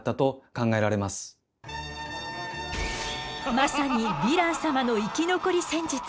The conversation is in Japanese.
まさにヴィラン様の生き残り戦術！